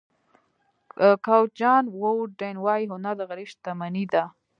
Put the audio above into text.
کوچ جان ووډن وایي هنر د غریب شتمني ده.